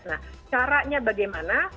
nah caranya bagaimana